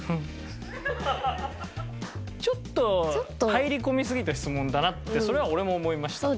ちょっと入り込みすぎた質問だなってそれは俺も思いました。